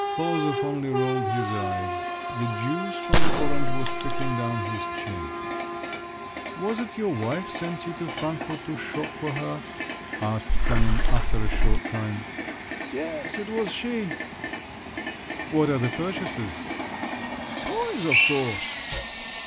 Polozov only rolled his eyes. The juice from the orange was trickling down his chin. "Was it your wife sent you to Frankfort to shop for her?" asked Sanin after a short time. "Yes, it was she." "What are the purchases?" "Toys, of course."